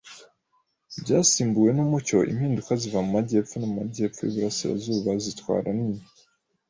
byasimbuwe numucyo, impinduka ziva mumajyepfo no mumajyepfo-uburasirazuba, zitwara nini